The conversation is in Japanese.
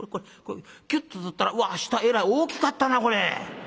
キュッと取ったらわあ下えらい大きかったなこれ。